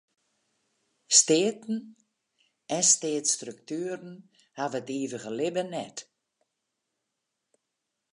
Steaten en steatsstruktueren hawwe it ivige libben net.